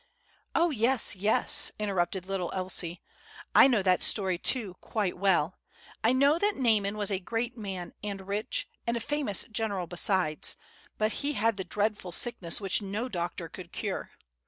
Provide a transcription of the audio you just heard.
"O yes, yes," interrupted little Elsie; "I know that story too, quite well. I know that Naaman was a great man, and rich, and a famous general besides, but he had the dreadful sickness which no doctor could cure.